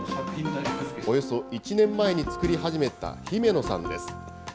およそ１年前に作り始めた、姫野さんです。